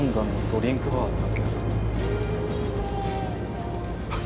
ドリンクバーだけ？